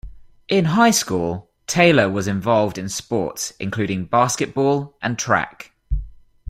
In high school, Taylor was involved in sports including basketball and track.